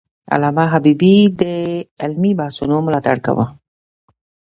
علامه حبيبي د علمي بحثونو ملاتړ کاوه.